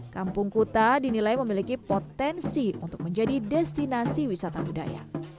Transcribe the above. kampung kuta dinilai memiliki potensi untuk menjadi destinasi wisata budaya